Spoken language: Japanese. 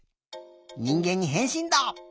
にんげんにへんしんだ！